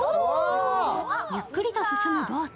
ゆっくりと進むボート。